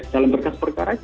dalam berkas perkara itu juga